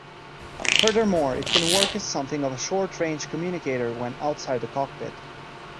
Furthermore, it can work as something of a short-range communicator when outside the cockpit.